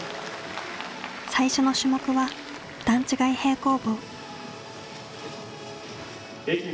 最初の種目は段違い平行棒。